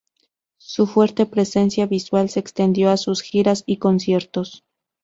Su fuerte presencia visual se extendió a sus giras y conciertos.